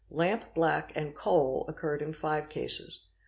Lamp black and coal occurred in five cases..